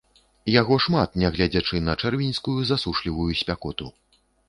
Яго шмат, нягледзячы на чэрвеньскую засушлівую спякоту.